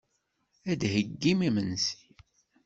Ad d-theyyim imensi.